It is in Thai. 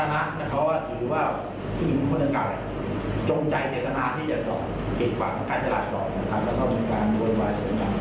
ในลักษณะเกรียญ